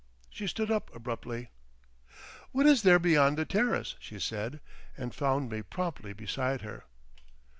She stood up abruptly. "What is there beyond the terrace?" she said, and found me promptly beside her.